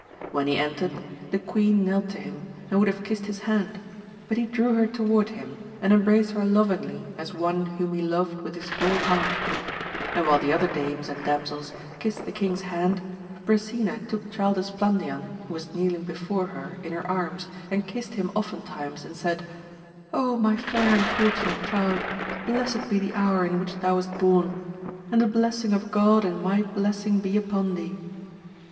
When he entered, the queen knelt to him, and would have kissed his hand, but he drew her toward him, and embraced her lovingly as one whom he loved with his whole heart ; and while the other dames and damsels kissed the king's hand, Brisena took Child Esplandian, who was kneeling before her, in her arms, and kissed him often times, and said, O my fair and fortunate child, blessed be the hour in which thou wast born ! and the blessing of God and my blessing be upon thee